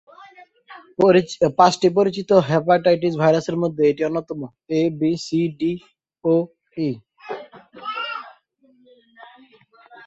পাঁচটি পরিচিত হেপাটাইটিস ভাইরাসের মধ্যে এটি অন্যতম: এ, বি, সি, ডি, ও ই।